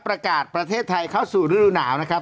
ประเทศไทยเข้าสู่ฤดูหนาวนะครับ